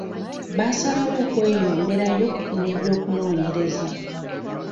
Baasalawo okweyongerayo n'ebyokunonyereza.